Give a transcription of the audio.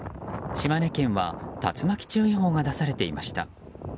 島根県は竜巻注意報が出されていました。